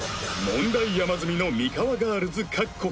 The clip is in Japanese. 問題山積みのミカワガールズ